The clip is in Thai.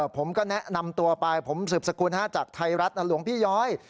ผมก็แนะนำตัวไปผมสืบสกุลจากไทยรัฐหลวงพี่ย้อย